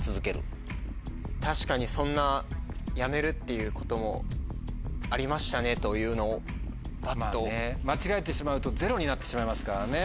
確かにそんなやめるっていうこともありましたねというのをパッと。になってしまいますからね。